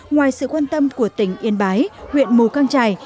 ngoài sự quan tâm của tỉnh yên bái huyện mù căng trải